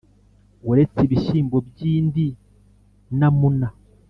uretse ibishyimbo by’indi namuna